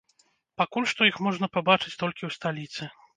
Пакуль што іх можна пабачыць толькі ў сталіцы.